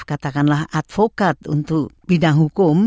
katakanlah advokat untuk bidang hukum